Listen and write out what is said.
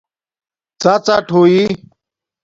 ڎڎاٹ ہوئئ